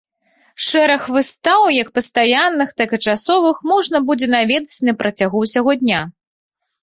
Шэраг выстаў як пастаянных, так і часовых можна будзе наведаць на працягу ўсяго дня.